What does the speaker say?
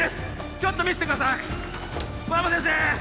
ちょっと見せてください小山先生！